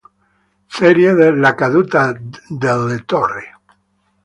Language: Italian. Serie de "La caduta delle torri"